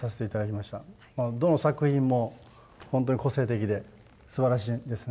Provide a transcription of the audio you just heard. まあどの作品もほんとに個性的ですばらしいですね。